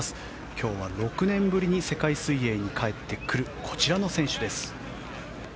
今日は６年ぶりに世界水泳に帰ってくるこちらの選手です。